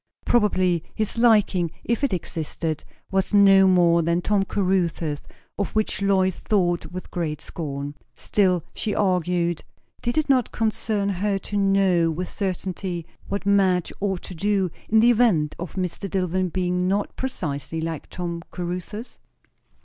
Probably his liking, if it existed, was no more than Tom Caruthers', of which Lois thought with great scorn. Still, she argued, did it not concern her to know with certain'ty what Madge ought to do, in the event of Mr. Dillwyn being not precisely like Tom Caruthers?